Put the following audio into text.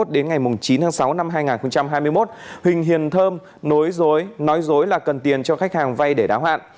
đến ngày chín tháng sáu năm hai nghìn hai mươi một huỳnh hiền thơm nói dối là cần tiền cho khách hàng vay để đá hoạn